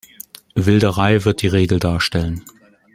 Wilderei wird die Regel darstellen.